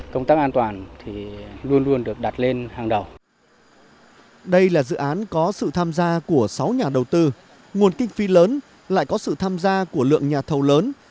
có sự tham gia của sáu nhà đầu tư nguồn kinh phí lớn lại có sự tham gia của lượng nhà thầu lớn